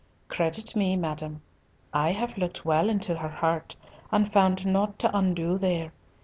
Credit me, madam, I have looked well into her heart, and found nought to undo there.